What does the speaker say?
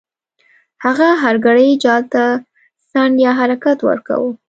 هغه هر ګړی جال ته څنډ یا حرکت ورکاوه.